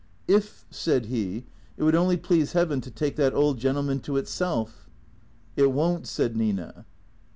" If," said he, " it would only please Heaven to take that old gentleman to itself." " It won't," said Nina.